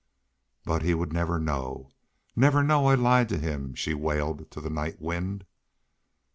"But he would never know never know I lied to him!" she wailed to the night wind.